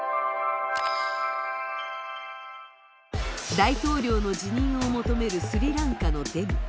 大統領の辞任を求めるスリランカのデモ。